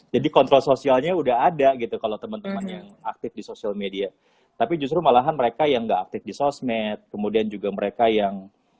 kontrol sosialnya udah ada gitu kalau teman teman yang aktif di sosial media tapi justru malahan mereka yang nggak aktif di sosmed kemudian juga mereka yang